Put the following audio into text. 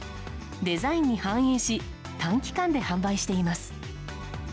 デザインに反映し短期間で販売しています。